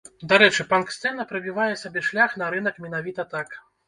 Дарэчы, панк сцэна прабівае сабе шлях на рынак менавіта так.